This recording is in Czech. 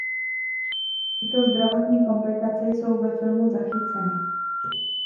Tyto zdravotní komplikace jsou ve filmu zachyceny.